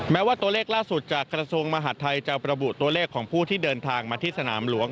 แม้ว่าตัวเลขล่าสุดจากกระทรวงมหาดไทยจะประบุตัวเลขของผู้ที่เดินทางมาที่สนามหลวง